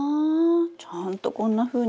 ちゃんとこんなふうに育って。